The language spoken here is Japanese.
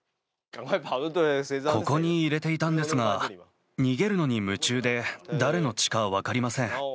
ここに入れていたんですが、逃げるのに夢中で誰の血か分かりません。